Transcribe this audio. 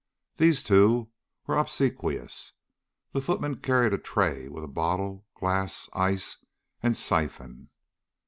These two were obsequious. The footman carried a tray with a bottle, glass, ice, and siphon.